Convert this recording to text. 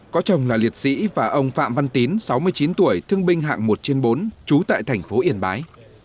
có chồng là liệt sĩ và ông phạm văn tín sáu mươi chín tuổi thương binh hạng một trên bốn trú tại thành phố yên bái